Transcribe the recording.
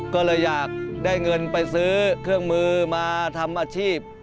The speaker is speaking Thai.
ก็เลยอยากได้เงินไปซื้อเครื่องมือมาทำอาชีพ